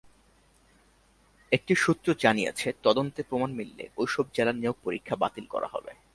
একটি সূত্র জানিয়েছে, তদন্তে প্রমাণ মিললে ওইসব জেলার নিয়োগ পরীক্ষা বাতিল করা হবে।